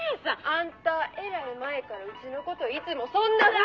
「あんたえらい前からうちの事いつもそんなふうに」